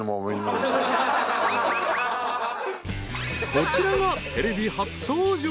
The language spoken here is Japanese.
［こちらがテレビ初登場］